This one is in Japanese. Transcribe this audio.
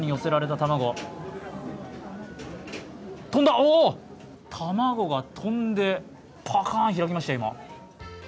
卵が飛んでパカーン開きましたよ、今。